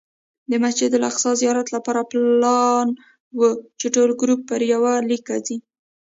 د مسجد الاقصی زیارت لپاره پلان و چې ټول ګروپ پر یوه لیکه ځي.